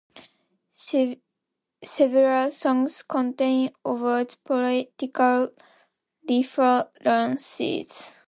Several songs contain overt political references.